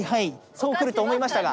そうくると思いましたが。